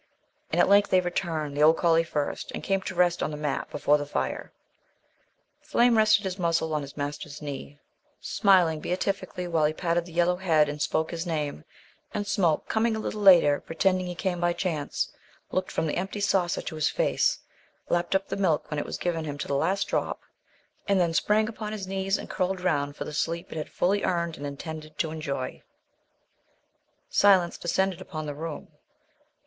And, at length, they returned, the old collie first, and came to rest on the mat before the fire. Flame rested his muzzle on his master's knee, smiling beatifically while he patted the yellow head and spoke his name; and Smoke, coming a little later, pretending he came by chance, looked from the empty saucer to his face, lapped up the milk when it was given him to the last drop, and then sprang upon his knees and curled round for the sleep it had fully earned and intended to enjoy. Silence descended upon the room.